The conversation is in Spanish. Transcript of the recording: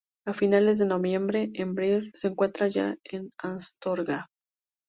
A finales de noviembre Baird se encuentra ya en Astorga.